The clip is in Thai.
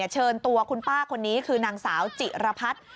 เชิญตัวคุณป้าคนนี้คือนางสาวจิรพัฒน์